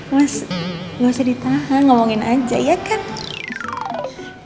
mas gak usah ditahan ngomongin aja ya kan